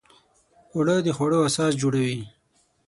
اوړه د خوړو اساس جوړوي